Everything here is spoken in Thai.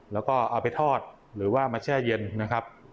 แล้วก็เอาไปทอดหรือว่ามาแช่เย็นนะครับ